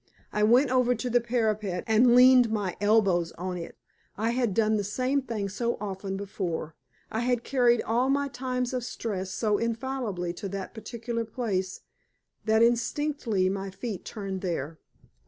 I went over to the parapet and leaned my elbows on it. I had done the same thing so often before; I had carried all my times of stress so infallibly to that particular place, that instinctively my feet turned there.